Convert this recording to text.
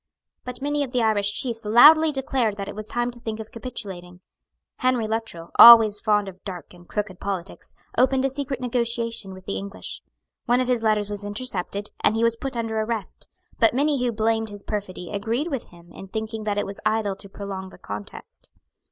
But many of the Irish chiefs loudly declared that it was time to think of capitulating. Henry Luttrell, always fond of dark and crooked politics, opened a secret negotiation with the English. One of his letters was intercepted; and he was put under arrest; but many who blamed his perfidy agreed with him in thinking that it was idle to prolong the contest.